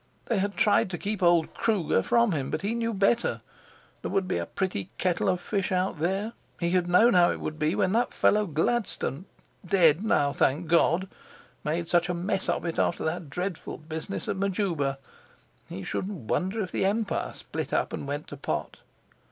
They had tried to keep old Kruger from him. But he knew better; there would be a pretty kettle of fish out there! He had known how it would be when that fellow Gladstone—dead now, thank God! made such a mess of it after that dreadful business at Majuba. He shouldn't wonder if the Empire split up and went to pot.